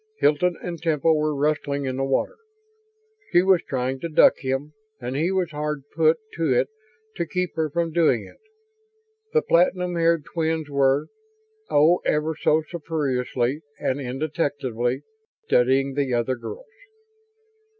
Hilton and Temple were wrestling in the water she was trying to duck him and he was hard put to it to keep her from doing it. The platinum haired twins were oh, ever so surreptitiously and indetectably! studying the other girls.